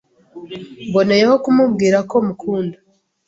mboneyeho kumubwira ko mukunda